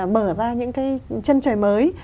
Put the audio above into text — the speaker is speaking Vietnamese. mở ra những cái chân trời mới